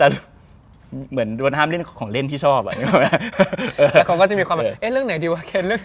เอ๊ะเรื่องไหนดีวะเคนเรื่องไหนดีวะ